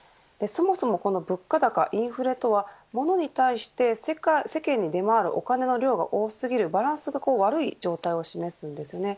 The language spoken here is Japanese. そもそも物価高、インフレとは物に対して世間に出回るお金の量が多過ぎるバランスが悪い状態を示します。